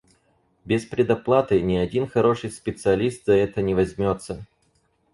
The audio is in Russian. Без предоплаты ни один хороший специалист за это не возьмётся.